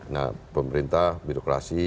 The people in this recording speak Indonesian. nah pemerintah birokrasi